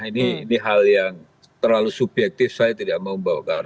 ini ini hal yang terlalu subjektif saya tidak mau membawa ke atas itu